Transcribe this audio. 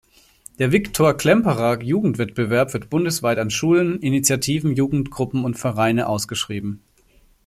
Der Victor-Klemperer-Jugendwettbewerb wird bundesweit an Schulen, Initiativen, Jugendgruppen und Vereine ausgeschrieben.